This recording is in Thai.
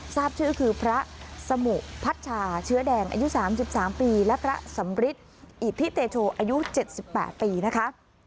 ทราบชื่อคือพระสมุพัชชาเชื้อแดงอายุ๓๓ปีและพระสำริทอิทธิเตโชอายุ๗๘ปีนะคะ